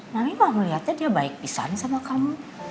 mami mah ngeliatnya dia baik pisan sama kamu